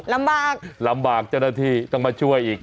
ลำบากลำบากเจ้าหน้าที่ต้องมาช่วยอีก